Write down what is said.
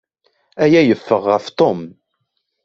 Aya yeffeɣ ɣef Tom.